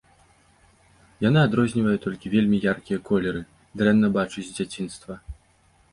Яна адрознівае толькі вельмі яркія колеры, дрэнна бачыць з дзяцінства.